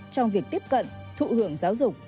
trong việc tiếp cận thụ hưởng giáo dục